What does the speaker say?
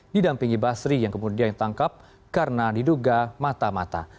didampingi basri yang kemudian ditangkap karena diduga mata mata